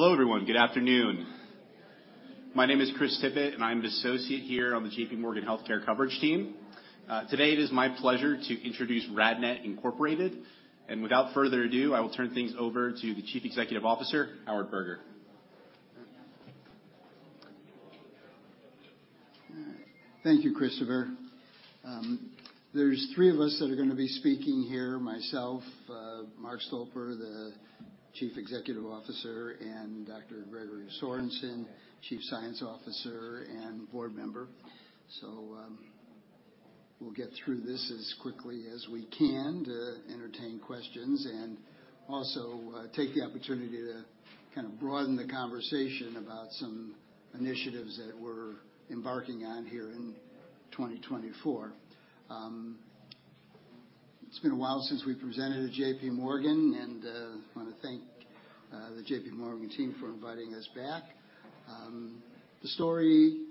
Hello, everyone. Good afternoon. My name is Chris Tippett, and I'm an associate here on the J.P. Morgan Healthcare Coverage Team. Today, it is my pleasure to introduce RadNet Incorporated, and without further ado, I will turn things over to the Chief Executive Officer, Howard Berger. Thank you, Christopher. There's three of us that are gonna be speaking here, myself, Mark Stolper, the Chief Executive Officer, and Dr. Gregory Sorensen, Chief Science Officer and board member. So, we'll get through this as quickly as we can to entertain questions, and also, take the opportunity to kind of broaden the conversation about some initiatives that we're embarking on here in 2024. It's been a while since we presented at J.P. Morgan, and, I wanna thank, the J.P. Morgan team for inviting us back. The story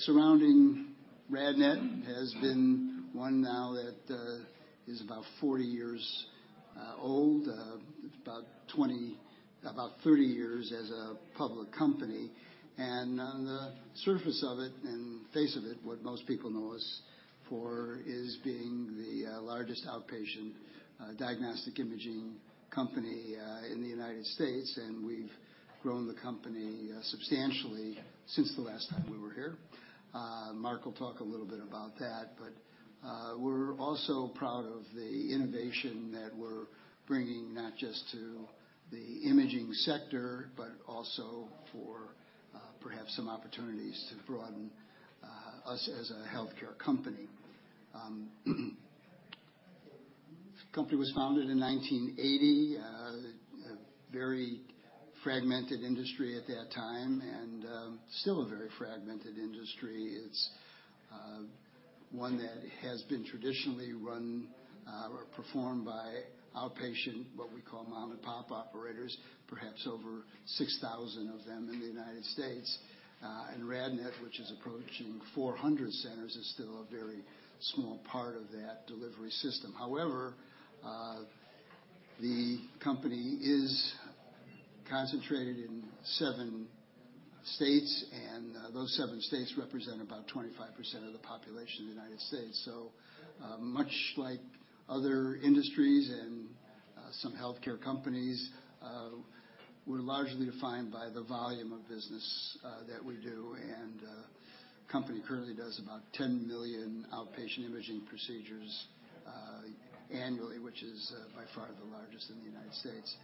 surrounding RadNet has been one now that is about 40 years old, about 30 years as a public company, and on the surface of it, and face of it, what most people know us for is being the largest outpatient diagnostic imaging company in the United States. We've grown the company substantially since the last time we were here. Mark will talk a little bit about that, but we're also proud of the innovation that we're bringing, not just to the imaging sector, but also for perhaps some opportunities to broaden us as a healthcare company. The company was founded in 1980, a very fragmented industry at that time, and still a very fragmented industry. It's one that has been traditionally run or performed by outpatient, what we call mom-and-pop operators, perhaps over 6,000 of them in the United States. RadNet, which is approaching 400 centers, is still a very small part of that delivery system. However, the company is concentrated in seven states, and those seven states represent about 25% of the population in the United States. Much like other industries and some healthcare companies, we're largely defined by the volume of business that we do. Company currently does about 10 million outpatient imaging procedures annually, which is by far the largest in the United States.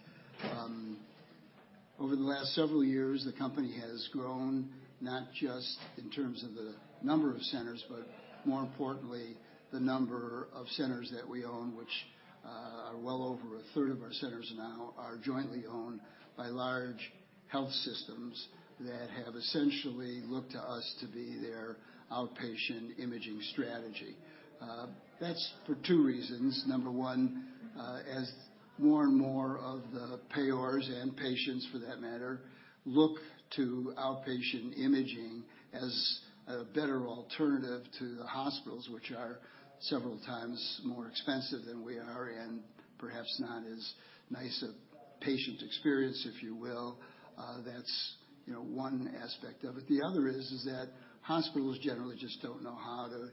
Over the last several years, the company has grown not just in terms of the number of centers, but more importantly, the number of centers that we own, which are well over a third of our centers now, are jointly owned by large health systems that have essentially looked to us to be their outpatient imaging strategy. That's for two reasons. 1, as more and more of the payers and patients, for that matter, look to outpatient imaging as a better alternative to the hospitals, which are several times more expensive than we are, and perhaps not as nice a patient experience, if you will. That's, you know, one aspect of it. The other is that hospitals generally just don't know how to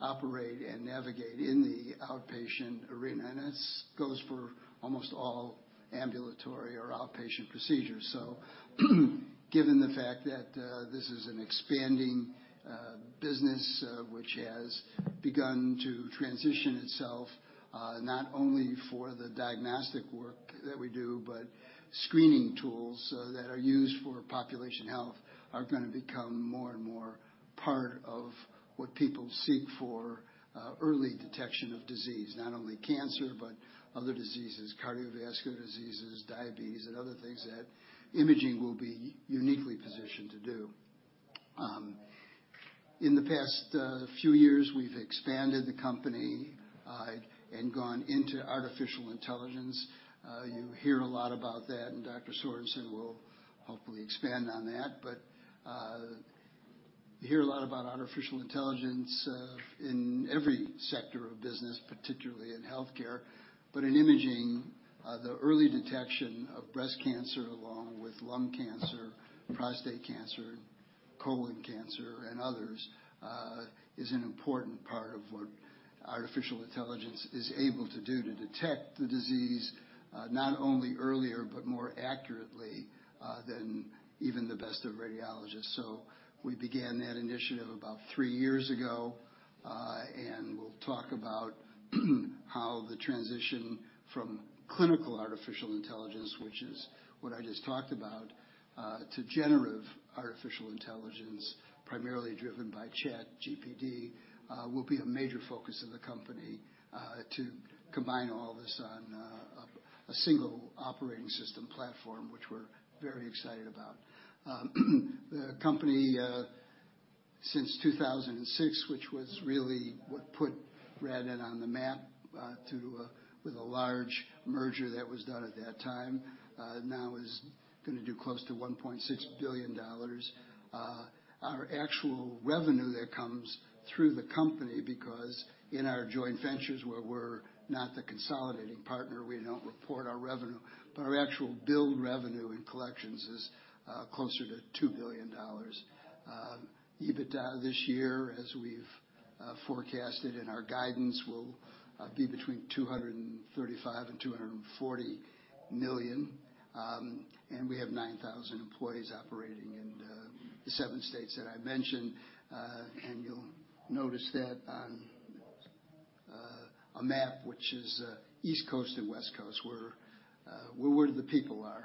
operate and navigate in the outpatient arena, and this goes for almost all ambulatory or outpatient procedures. So given the fact that this is an expanding business which has begun to transition itself not only for the diagnostic work that we do, but screening tools that are used for population health are gonna become more and more part of what people seek for early detection of disease, not only cancer, but other diseases, cardiovascular diseases, diabetes, and other things that imaging will be uniquely positioned to do. In the past few years, we've expanded the company and gone into artificial intelligence. You hear a lot about that, and Dr. Sorensen will hopefully expand on that. But you hear a lot about artificial intelligence in every sector of business, particularly in healthcare. But in imaging, the early detection of breast cancer, along with lung cancer, prostate cancer, colon cancer, and others, is an important part of what artificial intelligence is able to do to detect the disease, not only earlier, but more accurately, than even the best of radiologists. So we began that initiative about three years ago, and we'll talk about how the transition from clinical artificial intelligence, which is what I just talked about, to generative artificial intelligence, primarily driven by ChatGPT, will be a major focus of the company, to combine all this on a single operating system platform, which we're very excited about. The company, since 2006, which was really what put RadNet on the map, through.. with a large merger that was done at that time, now is gonna do close to $1.6 billion. Our actual revenue that comes through the company, because in our joint ventures where we're not the consolidated partner, we don't report our revenue, but our actual billed revenue in collections is closer to $2 billion. EBITDA this year, as we've forecasted in our guidance, will be between $235 million-$240 million. We have 9,000 employees operating in the seven states that I mentioned. You'll notice that on a map which is East Coast and West Coast, we're where the people are.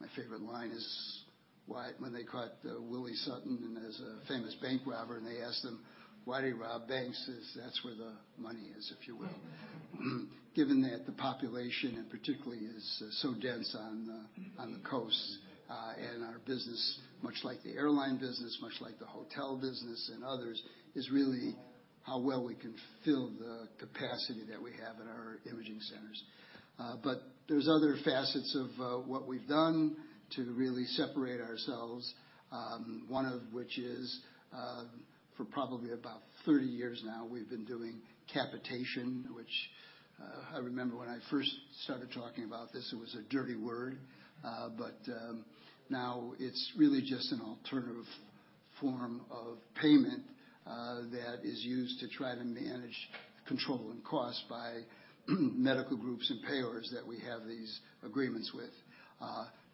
My favorite line is, why-- when they caught, Willie Sutton, and as a famous bank robber, and they asked him, "Why do you rob banks?" Says, "That's where the money is," if you will. Given that the population, and particularly, is so dense on the coast, and our business, much like the airline business, much like the hotel business and others, is really how well we can fill the capacity that we have in our imaging centers. But there's other facets of what we've done to really separate ourselves, one of which is, for probably about 30 years now, we've been doing capitation, which, I remember when I first started talking about this, it was a dirty word. But now it's really just an alternative form of payment that is used to try to manage controlling costs by medical groups and payers that we have these agreements with.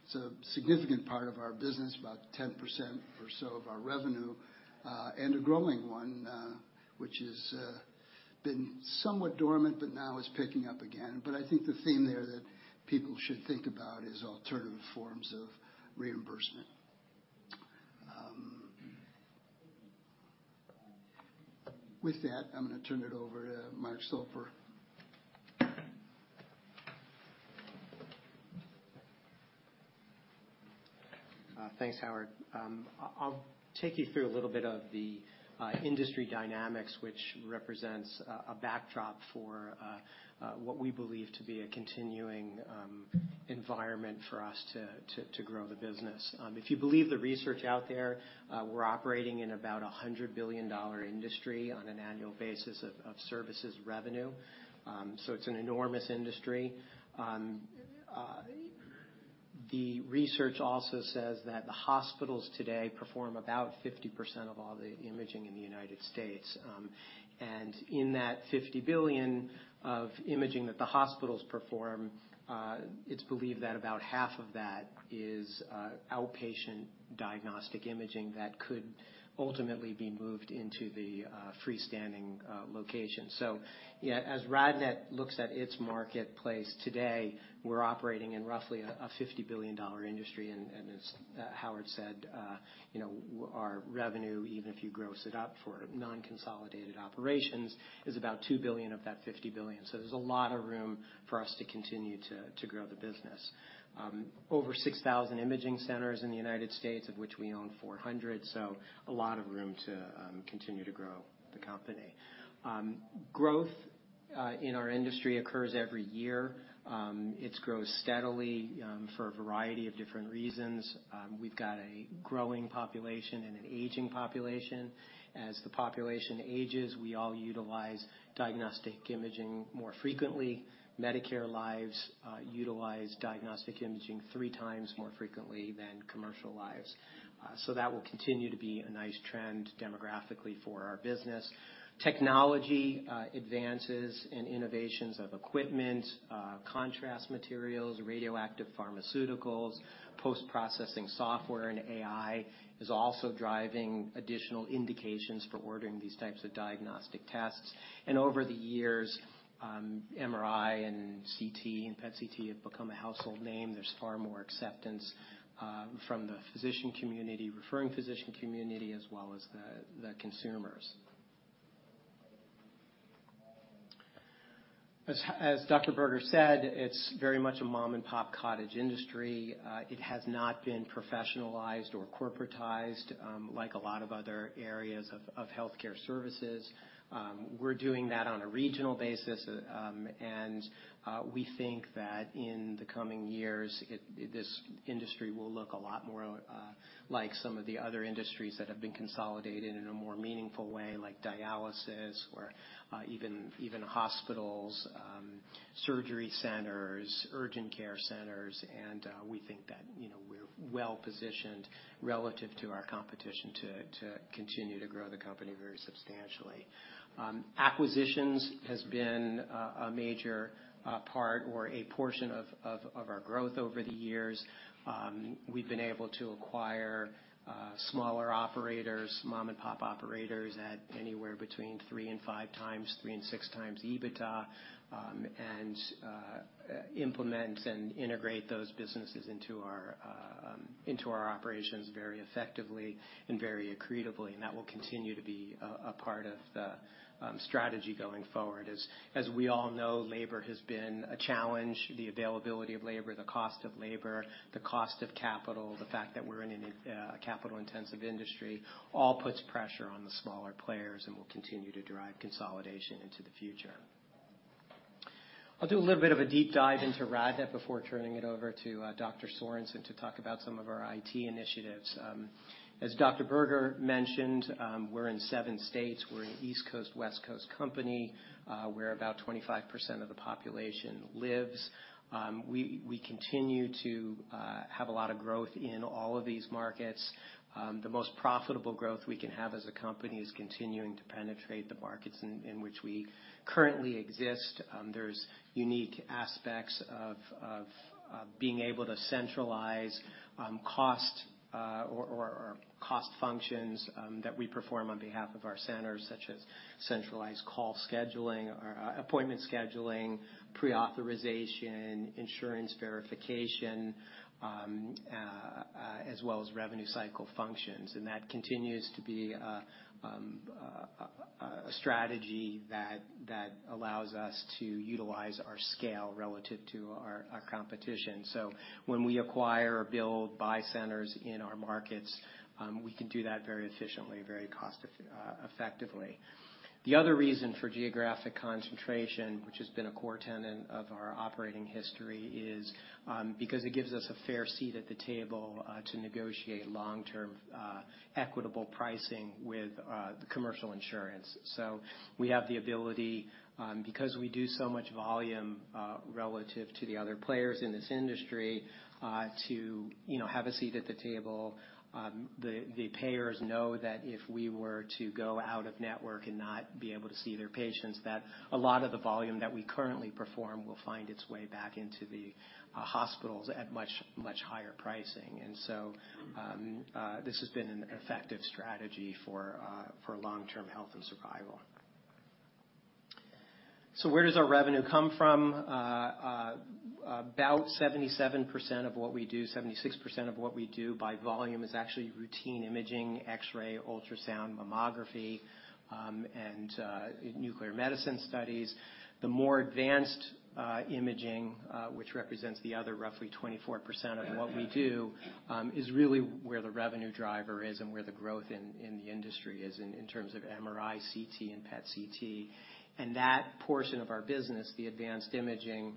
It's a significant part of our business, about 10% or so of our revenue, and a growing one, which has been somewhat dormant but now is picking up again. But I think the theme there that people should think about is alternative forms of reimbursement. With that, I'm gonna turn it over to Mark Stolper. Thanks, Howard. I'll take you through a little bit of the industry dynamics, which represents a backdrop for what we believe to be a continuing environment for us to grow the business. If you believe the research out there, we're operating in about a $100 billion industry on an annual basis of services revenue. So it's an enormous industry. The research also says that the hospitals today perform about 50% of all the imaging in the United States. And in that $50 billion of imaging that the hospitals perform, it's believed that about half of that is outpatient diagnostic imaging that could ultimately be moved into the freestanding location. So yeah, as RadNet looks at its marketplace today, we're operating in roughly a $50 billion industry, and as Howard said, you know, our revenue, even if you gross it up for non-consolidated operations, is about $2 billion of that $50 billion. So there's a lot of room for us to continue to grow the business. Over 6,000 imaging centers in the United States, of which we own 400, so a lot of room to continue to grow the company. Growth in our industry occurs every year. It's grown steadily for a variety of different reasons. We've got a growing population and an aging population. As the population ages, we all utilize diagnostic imaging more frequently. Medicare lives utilize diagnostic imaging three times more frequently than commercial lives. So that will continue to be a nice trend demographically for our business. Technology, advances and innovations of equipment, contrast materials, radioactive pharmaceuticals, post-processing software and AI is also driving additional indications for ordering these types of diagnostic tests. Over the years, MRI and CT and PET CT have become a household name. There's far more acceptance, from the physician community, referring physician community, as well as the, the consumers. As Dr. Berger said, it's very much a mom-and-pop cottage industry. It has not been professionalized or corporatized, like a lot of other areas of, of healthcare services. We're doing that on a regional basis, and we think that in the coming years, this industry will look a lot more like some of the other industries that have been consolidated in a more meaningful way, like dialysis or even hospitals, surgery centers, urgent care centers. We think that, you know, we're well positioned relative to our competition to continue to grow the company very substantially. Acquisitions has been a major part or a portion of our growth over the years. We've been able to acquire smaller operators, mom-and-pop operators, at anywhere between 3 and 5 times, 3 and 6 times EBITDA, and implement and integrate those businesses into our operations very effectively and very accretively, and that will continue to be a part of the strategy going forward. As we all know, labor has been a challenge. The availability of labor, the cost of labor, the cost of capital, the fact that we're in a capital-intensive industry, all puts pressure on the smaller players and will continue to drive consolidation into the future. I'll do a little bit of a deep dive into RadNet before turning it over to Dr. Sorensen to talk about some of our IT initiatives. As Dr. Berger mentioned, we're in seven states. We're an East Coast, West Coast company, where about 25% of the population lives. We continue to have a lot of growth in all of these markets. The most profitable growth we can have as a company is continuing to penetrate the markets in which we currently exist. There's unique aspects of being able to centralize cost or cost functions that we perform on behalf of our centers, such as centralized call scheduling or appointment scheduling, pre-authorization, insurance verification, as well as revenue cycle functions, and that continues to be a strategy that allows us to utilize our scale relative to our competition. So when we acquire or build, buy centers in our markets, we can do that very efficiently, very cost effectively. The other reason for geographic concentration, which has been a core tenet of our operating history, is because it gives us a fair seat at the table to negotiate long-term, equitable pricing with the commercial insurance. So we have the ability, because we do so much volume, relative to the other players in this industry, to, you know, have a seat at the table. The payers know that if we were to go out of network and not be able to see their patients, that a lot of the volume that we currently perform will find its way back into the hospitals at much, much higher pricing. And so, this has been an effective strategy for long-term health and survival. So where does our revenue come from? About 77% of what we do, 76% of what we do by volume is actually routine imaging, X-ray, ultrasound, mammography, and nuclear medicine studies. The more advanced imaging, which represents the other roughly 24% of what we do, is really where the revenue driver is and where the growth in the industry is in terms of MRI, CT, and PET CT. And that portion of our business, the advanced imaging,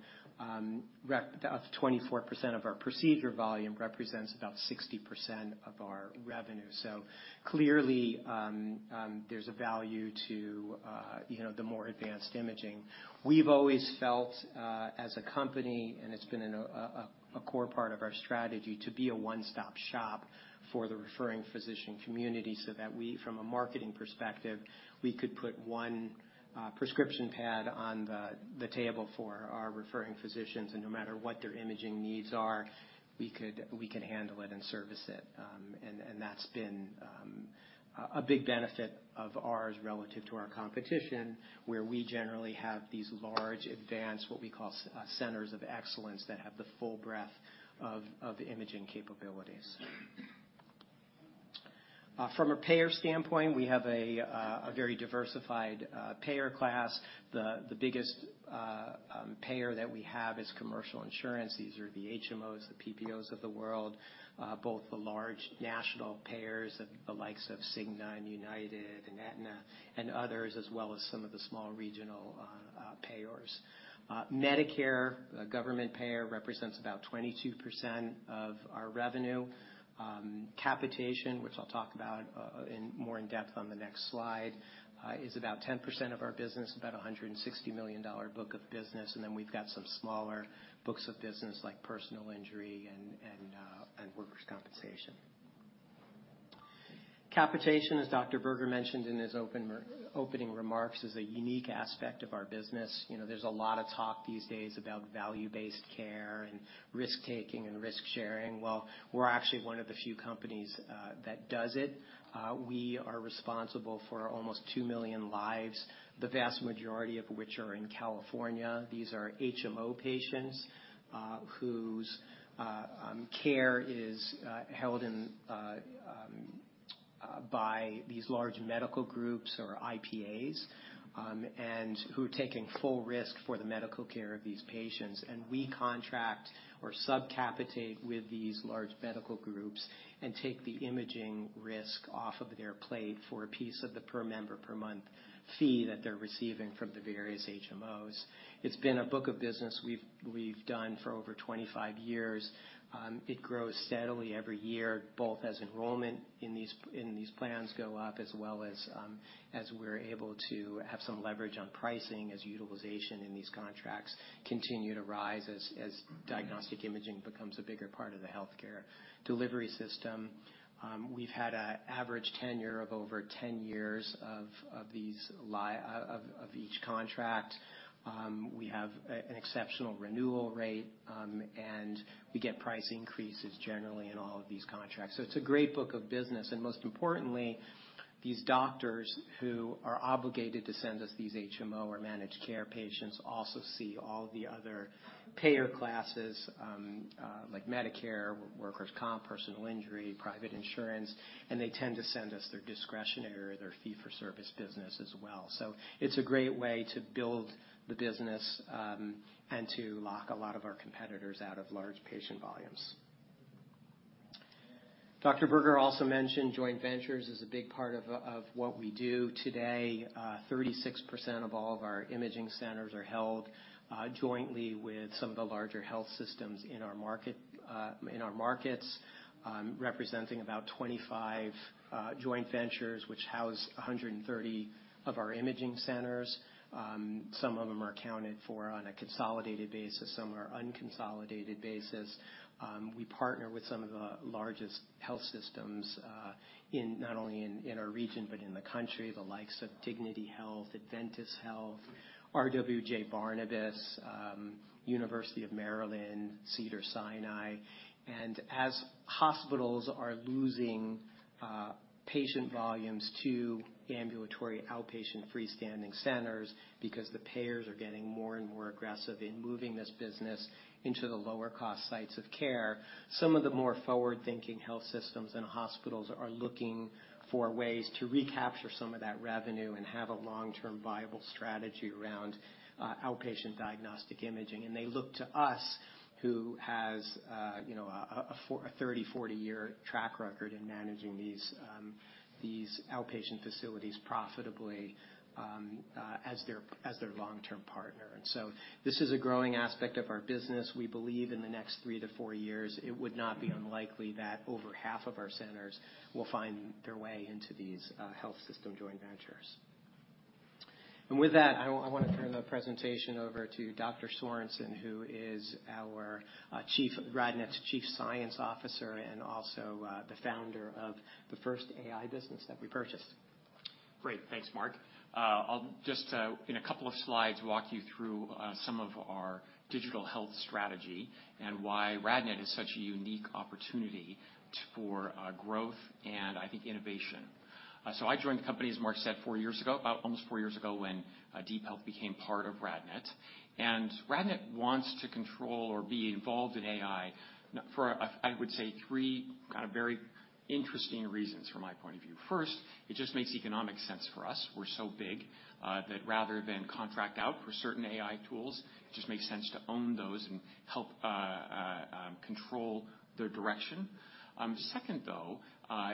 about 24% of our procedure volume, represents about 60% of our revenue. So clearly, there's a value to, you know, the more advanced imaging. We've always felt, as a company, and it's been a core part of our strategy, to be a one-stop shop for the referring physician community, so that we, from a marketing perspective, we could put one prescription pad on the table for our referring physicians, and no matter what their imaging needs are, we could, we can handle it and service it. And that's been a big benefit of ours relative to our competition, where we generally have these large, advanced, what we call, centers of excellence, that have the full breadth of the imaging capabilities. From a payer standpoint, we have a very diversified payer class. The biggest payer that we have is commercial insurance. These are the HMOs, the PPOs of the world, both the large national payers, the likes of Cigna and United and Aetna and others, as well as some of the small regional payers. Medicare, a government payer, represents about 22% of our revenue. Capitation, which I'll talk about in more depth on the next slide, is about 10% of our business, about a $160 million book of business. And then we've got some smaller books of business, like personal injury and workers' compensation. Capitation, as Dr. Berger mentioned in his opening remarks, is a unique aspect of our business. You know, there's a lot of talk these days about value-based care and risk-taking and risk-sharing. Well, we're actually one of the few companies that does it. We are responsible for almost 2 million lives, the vast majority of which are in California. These are HMO patients, whose care is held in by these large medical groups or IPAs, and who are taking full risk for the medical care of these patients. We contract or sub-capitate with these large medical groups and take the imaging risk off of their plate for a piece of the per member per month fee that they're receiving from the various HMOs. It's been a book of business we've done for over 25 years. It grows steadily every year, both as enrollment in these plans go up, as well as, as we're able to have some leverage on pricing, as utilization in these contracts continue to rise, as diagnostic imaging becomes a bigger part of the healthcare delivery system. We've had an average tenure of over 10 years of each contract. We have an exceptional renewal rate, and we get price increases generally in all of these contracts. So it's a great book of business, and most importantly, these doctors who are obligated to send us these HMO or managed care patients also see all the other payer classes, like Medicare, workers' comp, personal injury, private insurance, and they tend to send us their discretionary or their fee-for-service business as well. So it's a great way to build the business, and to lock a lot of our competitors out of large patient volumes. Dr. Berger also mentioned joint ventures is a big part of what we do today. 36% of all of our imaging centers are held jointly with some of the larger health systems in our market, in our markets, representing about 25 joint ventures, which house 130 of our imaging centers. Some of them are accounted for on a consolidated basis, some are unconsolidated basis. We partner with some of the largest health systems in not only our region, but in the country, the likes of Dignity Health, Adventist Health, RWJBarnabas, University of Maryland, Cedars-Sinai. As hospitals are losing patient volumes to ambulatory outpatient freestanding centers because the payers are getting more and more aggressive in moving this business into the lower cost sites of care, some of the more forward-thinking health systems and hospitals are looking for ways to recapture some of that revenue and have a long-term viable strategy around outpatient diagnostic imaging. They look to us, who has you know a 30-40-year track record in managing these outpatient facilities profitably as their long-term partner. So this is a growing aspect of our business. We believe in the next 3-4 years, it would not be unlikely that over half of our centers will find their way into these health system joint ventures. With that, I want to turn the presentation over to Dr. Sorensen, who is RadNet's Chief Science Officer, and also the founder of the first AI business that we purchased. Great. Thanks, Mark. I'll just, in a couple of slides, walk you through some of our digital health strategy and why RadNet is such a unique opportunity for growth and, I think, innovation. So I joined the company, as Mark said, 4 years ago, about almost 4 years ago, when DeepHealth became part of RadNet. And RadNet wants to control or be involved in AI for, I would say, three kind of very interesting reasons from my point of view. First, it just makes economic sense for us. We're so big that rather than contract out for certain AI tools, it just makes sense to own those and help control their direction. Second, though,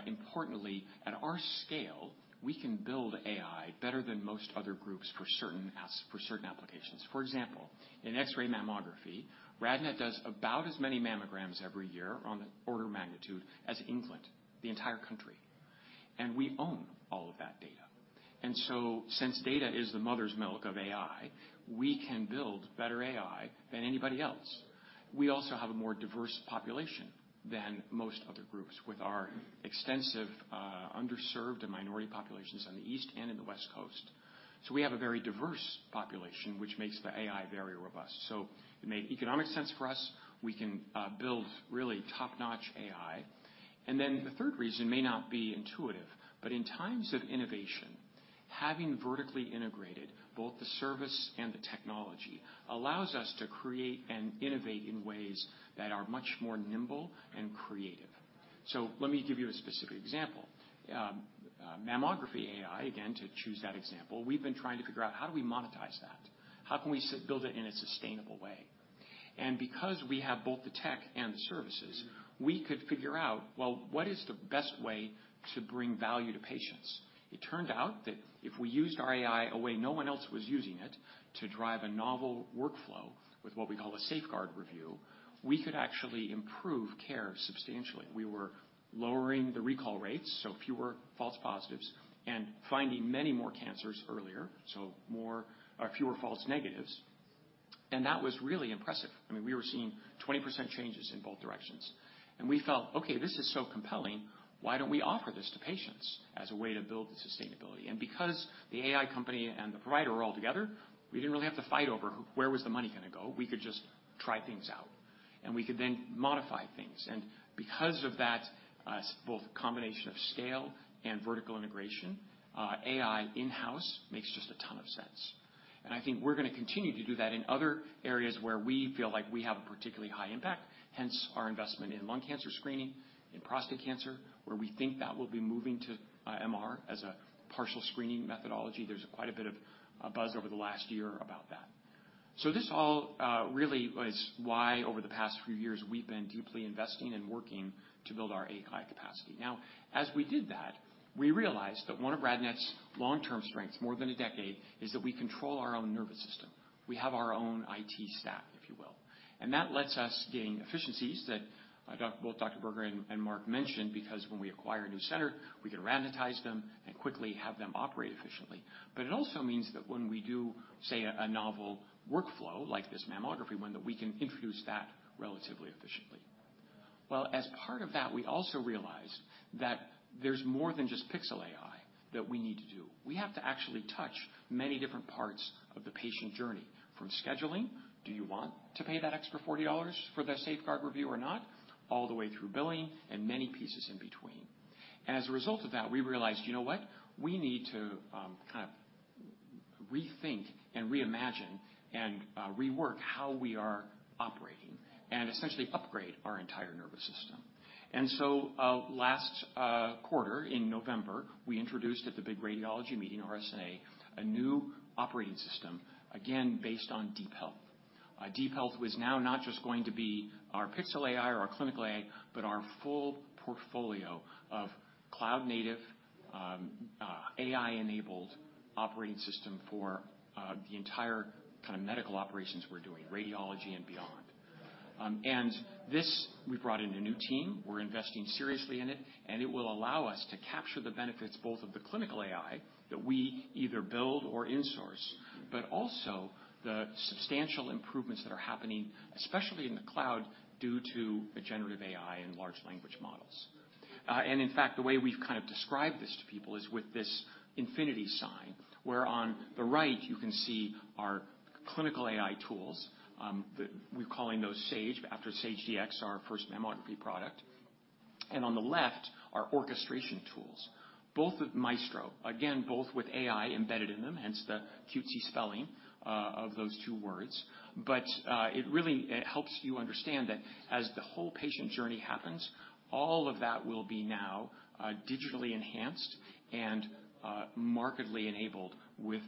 importantly, at our scale, we can build AI better than most other groups for certain apps, for certain applications. For example, in X-ray mammography, RadNet does about as many mammograms every year on the order of magnitude as England, the entire country. And we own all of that data. And so since data is the mother's milk of AI, we can build better AI than anybody else. We also have a more diverse population than most other groups with our extensive, underserved and minority populations on the East and in the West Coast. So we have a very diverse population, which makes the AI very robust. So it made economic sense for us. We can build really top-notch AI. And then the third reason may not be intuitive, but in times of innovation, having vertically integrated both the service and the technology allows us to create and innovate in ways that are much more nimble and creative. So let me give you a specific example. Mammography AI, again, to choose that example, we've been trying to figure out: how do we monetize that? How can we build it in a sustainable way? And because we have both the tech and the services, we could figure out, well, what is the best way to bring value to patients? It turned out that if we used our AI a way no one else was using it, to drive a novel workflow with what we call a safeguard review, we could actually improve care substantially. We were lowering the recall rates, so fewer false positives, and finding many more cancers earlier, so fewer false negatives. And that was really impressive. I mean, we were seeing 20% changes in both directions and we felt okay, this is so compelling, why don't we offer this to patients as a way to build the sustainability? And because the AI company and the provider are all together, we didn't really have to fight over where was the money going to go. We could just try things out, and we could then modify things. And because of that, both combination of scale and vertical integration, AI in-house makes just a ton of sense. And I think we're going to continue to do that in other areas where we feel like we have a particularly high impact, hence our investment in lung cancer screening, in prostate cancer, where we think that will be moving to, MR as a partial screening methodology. There's quite a bit of buzz over the last year about that. So this all really is why, over the past few years, we've been deeply investing and working to build our AI capacity. Now, as we did that, we realized that one of RadNet's long-term strengths, more than a decade, is that we control our own nervous system. We have our own IT staff, if you will. And that lets us gain efficiencies that both Dr. Berger and Mark mentioned, because when we acquire a new center, we can RadNetize them and quickly have them operate efficiently. But it also means that when we do, say, a novel workflow like this mammography one, that we can introduce that relatively efficiently. Well, as part of that, we also realize that there's more than just pixel AI that we need to do. We have to actually touch many different parts of the patient journey, from scheduling, "Do you want to pay that extra $40 for the safeguard review or not?" All the way through billing, and many pieces in between. As a result of that, we realized, you know what? We need to kind of rethink and reimagine and rework how we are operating and essentially upgrade our entire nervous system. So, last quarter, in November, we introduced at the big radiology meeting, RSNA, a new operating system, again, based on DeepHealth. DeepHealth was now not just going to be our pixel AI or our clinical AI, but our full portfolio of cloud native AI-enabled operating system for the entire kind of medical operations we're doing, radiology and beyond. And this, we brought in a new team. We're investing seriously in it, and it will allow us to capture the benefits, both of the clinical AI that we either build or insource, but also the substantial improvements that are happening, especially in the cloud, due to the generative AI and large language models. And in fact, the way we've kind of described this to people is with this infinity sign, where on the right, you can see our clinical AI tools that we're calling those Saige after Saige-Dx, our first mammography product, and on the left, our orchestration tools, both with Maestro. Again, both with AI embedded in them, hence the cutesy spelling of those two words. But it really, it helps you understand that as the whole patient journey happens, all of that will be now digitally enhanced and markedly enabled with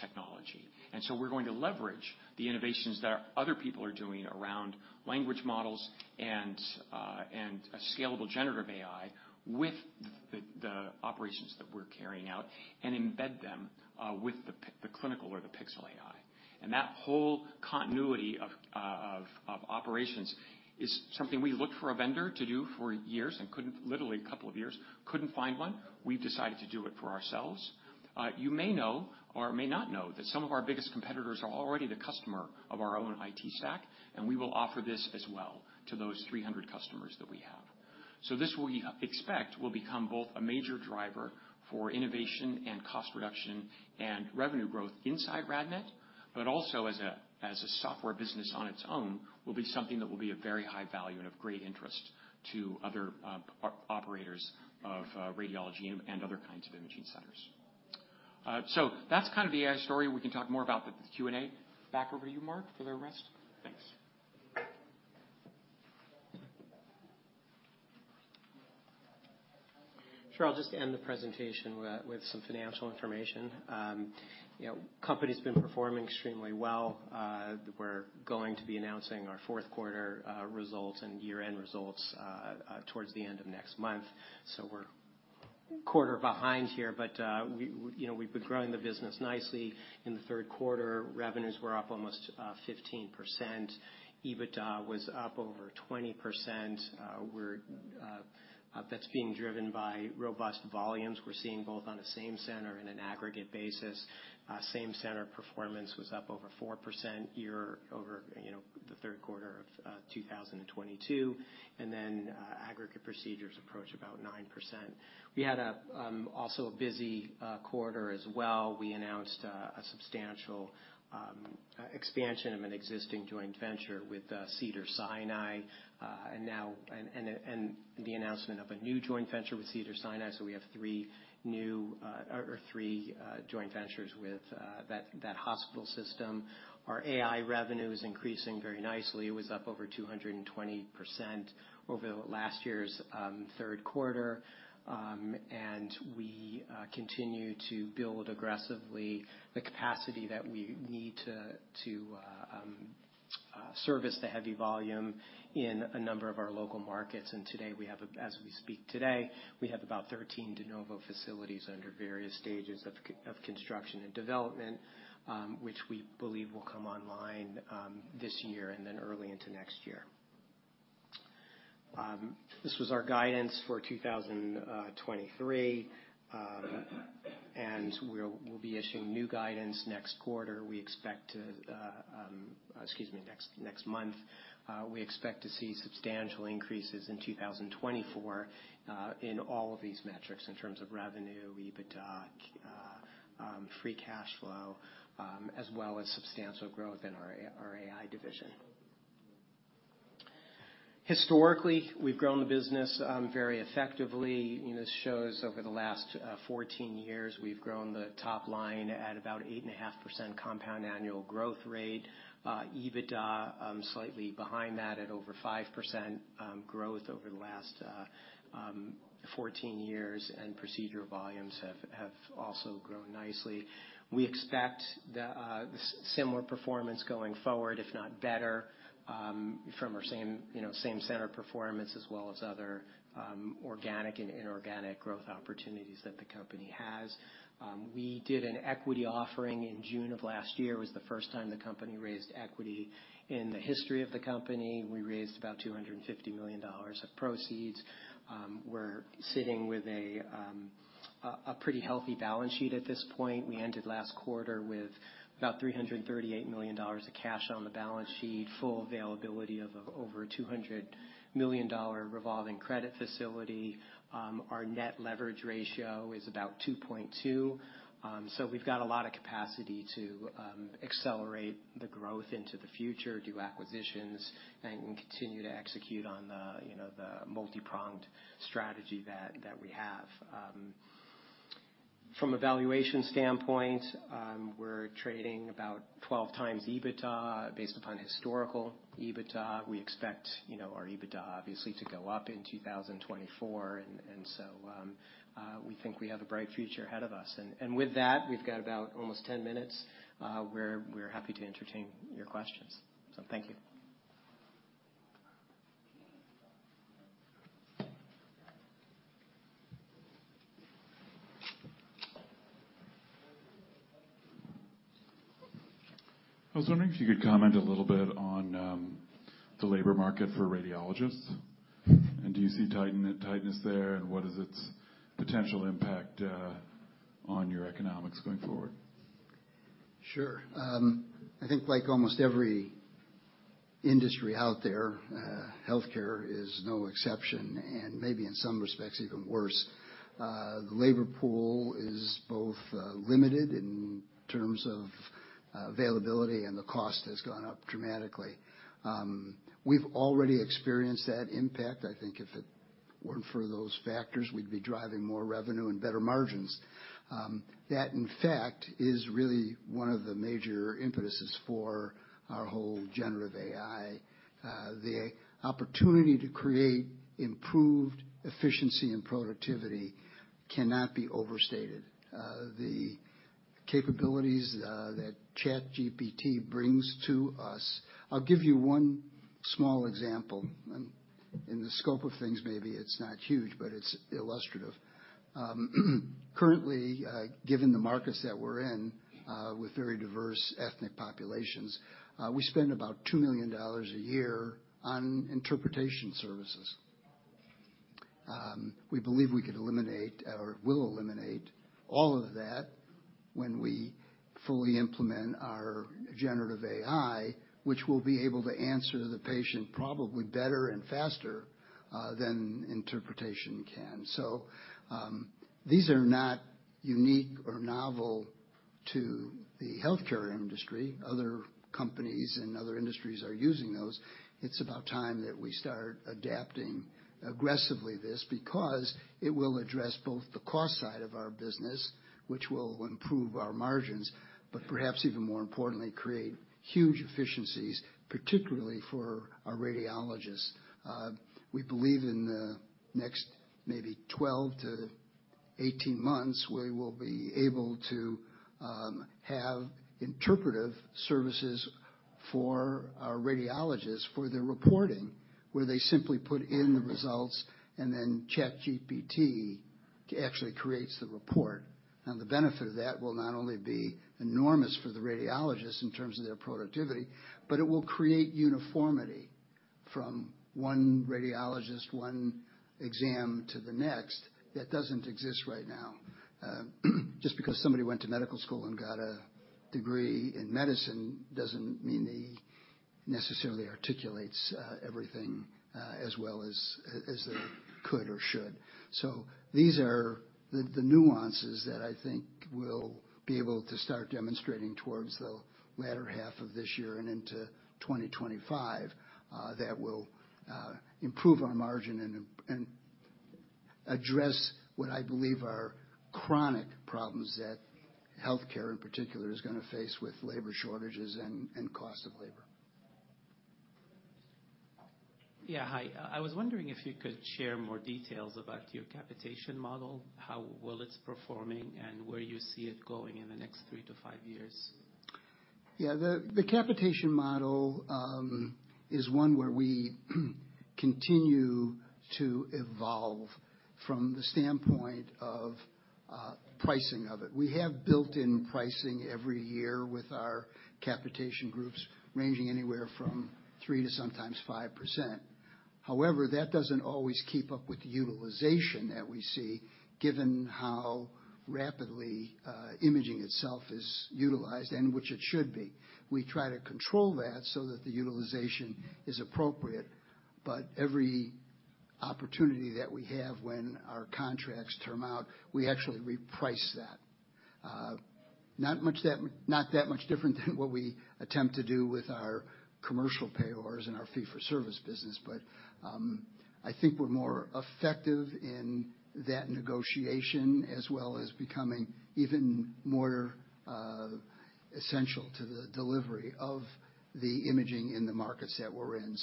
technology. And so we're going to leverage the innovations that other people are doing around language models and a scalable generative AI, with the operations that we're carrying out and embed them with the clinical or the pixel AI. And that whole continuity of operations is something we looked for a vendor to do for years and couldn't. Literally, a couple of years, couldn't find one. We've decided to do it for ourselves. You may know or may not know that some of our biggest competitors are already the customer of our own IT stack, and we will offer this as well to those 300 customers that we have. So this we expect will become both a major driver for innovation and cost reduction and revenue growth inside RadNet, but also as a software business on its own, will be something that will be of very high value and of great interest to other operators of radiology and other kinds of imaging centers. So that's kind of the AI story. We can talk more about the Q&A. Back over to you, Mark, for the rest. Thanks. Sure. I'll just end the presentation with some financial information. You know, company's been performing extremely well. We're going to be announcing our fourth quarter results and year-end results towards the end of next month, so we're a quarter behind here. But we, you know, we've been growing the business nicely. In the third quarter, revenues were up almost 15%. EBITDA was up over 20%. That's being driven by robust volumes we're seeing both on a same center and an aggregate basis. Same center performance was up over 4% year over the third quarter of 2022, and then aggregate procedures approached about 9%. We had also a busy quarter as well. We announced a substantial expansion of an existing joint venture with Cedars-Sinai, and now the announcement of a new joint venture with Cedars-Sinai. So we have three new or three joint ventures with that hospital system. Our AI revenue is increasing very nicely. It was up over 220% over last year's third quarter. And we continue to build aggressively the capacity that we need to service the heavy volume in a number of our local markets. And today, we have, as we speak today, we have about 13 de novo facilities under various stages of construction and development, which we believe will come online this year and then early into next year. This was our guidance for 2023, and we'll be issuing new guidance next quarter. We expect to next month. We expect to see substantial increases in 2024 in all of these metrics, in terms of revenue, EBITDA, free cash flow, as well as substantial growth in our AI division. Historically, we've grown the business very effectively. And this shows over the last 14 years, we've grown the top line at about 8.5% compound annual growth rate. EBITDA slightly behind that at over 5% growth over the last 14 years, and procedure volumes have also grown nicely. We expect the similar performance going forward, if not better, from our same, you know, same center performance, as well as other, organic and inorganic growth opportunities that the company has. We did an equity offering in June of last year. It was the first time the company raised equity in the history of the company. We raised about $250 million of proceeds. We're sitting with a pretty healthy balance sheet at this point. We ended last quarter with about $338 million of cash on the balance sheet, full availability of over $200 million revolving credit facility. Our net leverage ratio is about 2.2. So we've got a lot of capacity to accelerate the growth into the future, do acquisitions, and continue to execute on the, you know, the multipronged strategy that, that we have. From a valuation standpoint, we're trading about 12 times EBITDA based upon historical EBITDA. We expect, you know, our EBITDA obviously to go up in 2024, and, and so, we think we have a bright future ahead of us. And, and with that, we've got about almost 10 minutes, where we're happy to entertain your questions. So thank you. ... I was wondering if you could comment a little bit on the labor market for radiologists, and do you see tightness there, and what is its potential impact on your economics going forward? Sure. I think like almost every industry out there, healthcare is no exception, and maybe in some respects, even worse. The labor pool is both limited in terms of availability, and the cost has gone up dramatically. We've already experienced that impact. I think if it weren't for those factors, we'd be driving more revenue and better margins. That, in fact, is really one of the major impetuses for our whole generative AI. The opportunity to create improved efficiency and productivity cannot be overstated. The capabilities that ChatGPT brings to us, I'll give you one small example. In the scope of things, maybe it's not huge, but it's illustrative. Currently, given the markets that we're in, with very diverse ethnic populations, we spend about $2 million a year on interpretation services. We believe we could eliminate, or will eliminate all of that when we fully implement our generative AI, which will be able to answer the patient probably better and faster than interpretation can. So, these are not unique or novel to the healthcare industry. Other companies and other industries are using those. It's about time that we start adapting aggressively this because it will address both the cost side of our business, which will improve our margins, but perhaps even more importantly, create huge efficiencies, particularly for our radiologists. We believe in the next maybe 12-18 months, we will be able to have interpretive services for our radiologists, for their reporting, where they simply put in the results, and then ChatGPT actually creates the report. The benefit of that will not only be enormous for the radiologists in terms of their productivity, but it will create uniformity from one radiologist, one exam to the next. That doesn't exist right now. Just because somebody went to medical school and got a degree in medicine doesn't mean he necessarily articulates everything as well as, as they could or should. So these are the, the nuances that I think we'll be able to start demonstrating towards the latter half of this year and into 2025 that will improve our margin and address what I believe are chronic problems that healthcare, in particular, is gonna face with labor shortages and cost of labor. Yeah. Hi, I was wondering if you could share more details about your Capitation model, how well it's performing, and where you see it going in the next three to five years? Yeah, the capitation model is one where we continue to evolve from the standpoint of pricing of it. We have built-in pricing every year with our capitation groups, ranging anywhere from 3% to sometimes 5%. However, that doesn't always keep up with the utilization that we see, given how rapidly imaging itself is utilized, and which it should be. We try to control that so that the utilization is appropriate, but every opportunity that we have, when our contracts term out, we actually reprice that. Not that much different than what we attempt to do with our commercial payers and our fee-for-service business, but I think we're more effective in that negotiation, as well as becoming even more essential to the delivery of the imaging in the markets that we're in.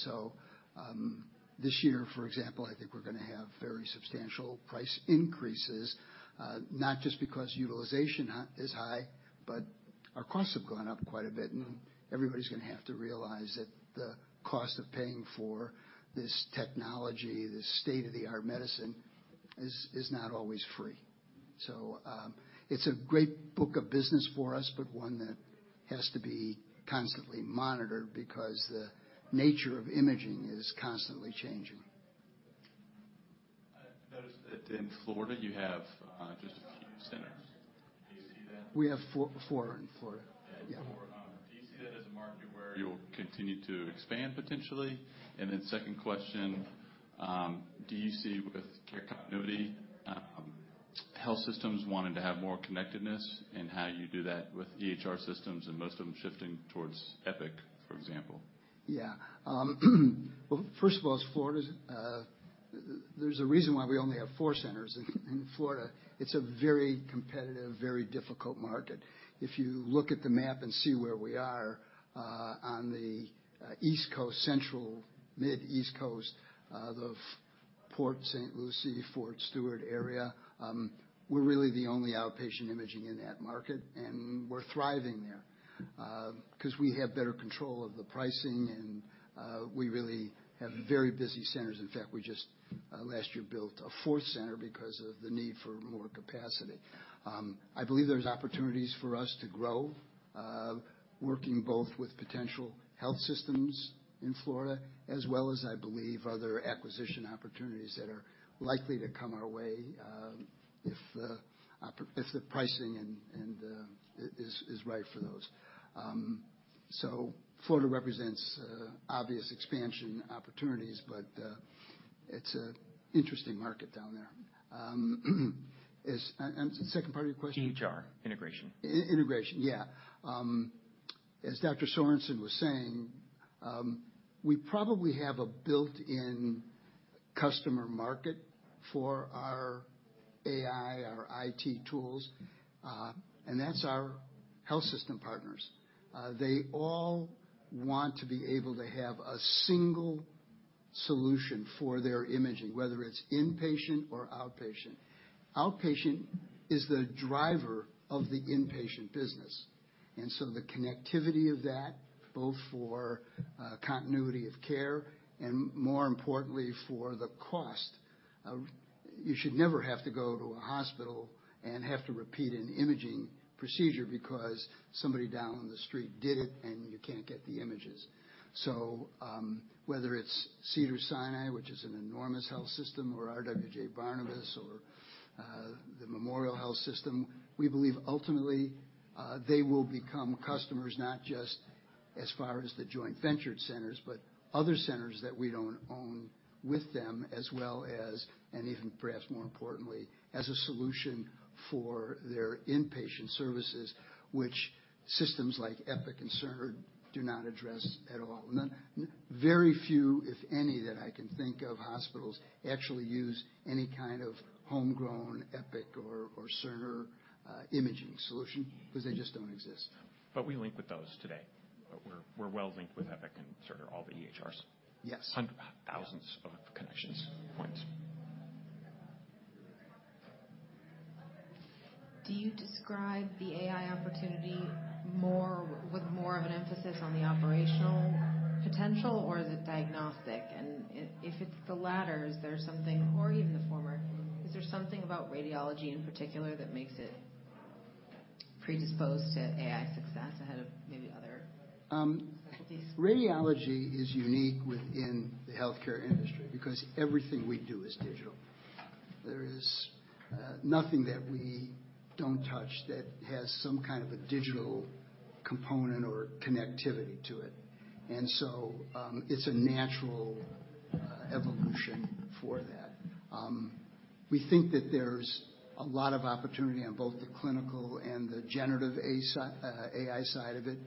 This year, for example, I think we're gonna have very substantial price increases, not just because utilization is high, but our costs have gone up quite a bit, and everybody's gonna have to realize that the cost of paying for this technology, this state-of-the-art medicine, is not always free. It's a great book of business for us, but one that has to be constantly monitored because the nature of imaging is constantly changing. I noticed that in Florida, you have just a few centers. Do you see that? We have 4, 4 in Florida. Yeah, four. Do you see that as a market where you'll continue to expand, potentially? Then second question, do you see, with care continuity, health systems wanting to have more connectedness, and how you do that with EHR systems, and most of them shifting towards Epic, for example? Yeah. Well, first of all, Florida's. There's a reason why we only have four centers in Florida. It's a very competitive, very difficult market. If you look at the map and see where we are on the East Coast, central Mid-East Coast, the Port St. Lucie, Port Stuart area, we're really the only outpatient imaging in that market, and we're thriving there, 'cause we have better control of the pricing and we really have very busy centers. In fact, we just last year built a fourth center because of the need for more capacity. I believe there's opportunities for us to grow, working both with potential health systems in Florida as well as, I believe, other acquisition opportunities that are likely to come our way, if the pricing and is right for those. So Florida represents obvious expansion opportunities, but it's an interesting market down there. Is, and the second part of your question? EHR integration. Integration, yeah. As Dr. Sorensen was saying, we probably have a built-in customer market for our AI, our IT tools, and that's our health system partners. They all want to be able to have a single solution for their imaging, whether it's inpatient or outpatient. Outpatient is the driver of the inpatient business, and so the connectivity of that, both for continuity of care and, more importantly, for the cost of... You should never have to go to a hospital and have to repeat an imaging procedure because somebody down the street did it, and you can't get the images. So, whether it's Cedars-Sinai, which is an enormous health system, or RWJBarnabas or the Memorial Health System, we believe ultimately they will become customers, not just as far as the joint ventured centers, but other centers that we don't own with them, as well as, and even perhaps more importantly, as a solution for their inpatient services, which systems like Epic and Cerner do not address at all. Very few, if any, that I can think of, hospitals actually use any kind of homegrown Epic or Cerner imaging solution because they just don't exist. But we link with those today. We're well linked with Epic and Cerner, all the EHRs. Yes. Hundreds... thousands of connections, points. Do you describe the AI opportunity more, with more of an emphasis on the operational potential, or is it diagnostic? And if it's the latter, is there something, or even the former, is there something about radiology in particular that makes it predisposed to AI success ahead of maybe other specialties? Radiology is unique within the healthcare industry because everything we do is digital. There is nothing that we don't touch that has some kind of a digital component or connectivity to it. And so, it's a natural evolution for that. We think that there's a lot of opportunity on both the clinical and the generative AI side of it.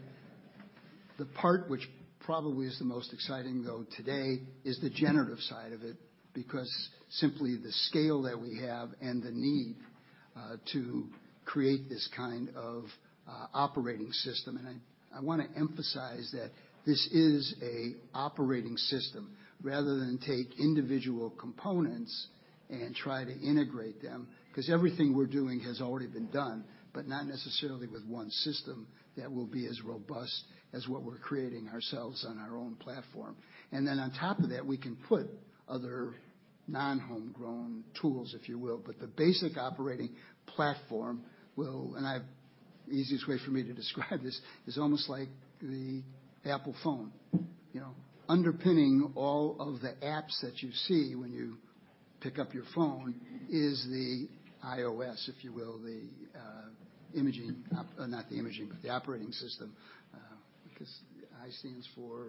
The part which probably is the most exciting, though, today is the generative side of it, because simply the scale that we have and the need to create this kind of operating system. And I wanna emphasize that this is a operating system rather than take individual components and try to integrate them, because everything we're doing has already been done, but not necessarily with one system that will be as robust as what we're creating ourselves on our own platform. And then on top of that, we can put other non-homegrown tools, if you will, but the basic operating platform will. And I, easiest way for me to describe this is almost like the Apple phone. You know, underpinning all of the apps that you see when you pick up your phone is the iOS, if you will, the imaging, not the imaging, but the operating system. Because I stands for?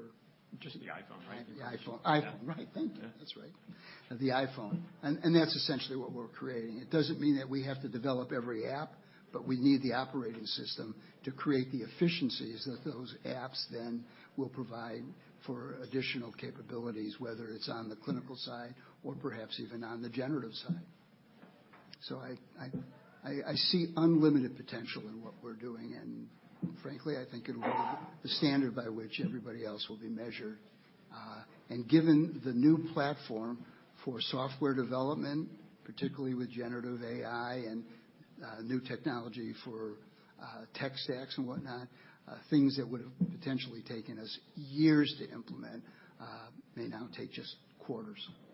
Just the iPhone, right? The iPhone. iPhone, right. Yeah. Thank you. Yeah. That's right, the iPhone. And that's essentially what we're creating. It doesn't mean that we have to develop every app, but we need the operating system to create the efficiencies that those apps then will provide for additional capabilities, whether it's on the clinical side or perhaps even on the generative side. So I see unlimited potential in what we're doing, and frankly, I think it'll be the standard by which everybody else will be measured. And given the new platform for software development, particularly with generative AI and new technology for tech stacks and whatnot, things that would have potentially taken us years to implement may now take just quarters. Okay, I think we're out of time. Well, just, so thank you very much, everyone, for the, you know, engagement, and thank you very much for the wonderful presentation. That concludes all the time that we have today. Thank you again.